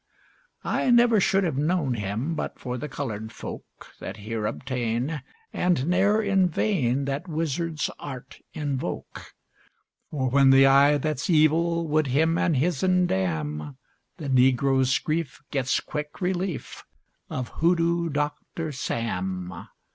_ I never should have known him But for the colored folk That here obtain And ne'er in vain That wizard's art invoke; For when the Eye that's Evil Would him and his'n damn, The negro's grief gets quick relief Of Hoodoo Doctor Sam.